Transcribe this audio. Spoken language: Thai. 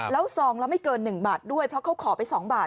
แล้วซองละไม่เกิน๑บาทด้วยเพราะเขาขอไป๒บาท